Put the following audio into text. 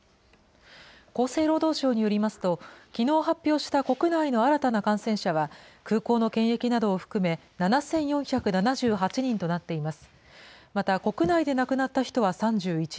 厚生労働省によりますと、きのう発表した国内の新たな感染者は、空港の検疫などを含め、７４７８人となっています。